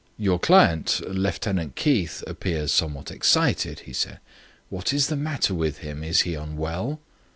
"Your client, Lieutenant Keith, appears somewhat excited," he said. "What is the matter with him? Is he unwell?"